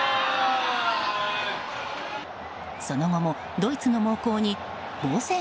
その後もドイツの猛攻に防戦